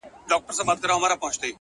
بریا تصادف نه بلکې انتخاب دی.!